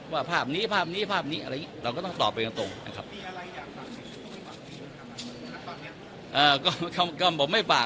ว่าภาพนี้ภาพนี้ภาพนี้อะไรอีกเราก็ต้องตอบไปตรงตรงนะครับมีอะไรอยากฝากให้ทุกคนฝากดีนะครับตอนนี้เอ่อก็ก็ผมไม่ฝาก